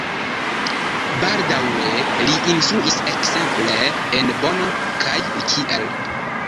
Baldaŭe li instruis ekzemple en Bonn kaj Kiel.